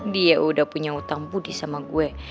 dia udah punya utang budi sama gue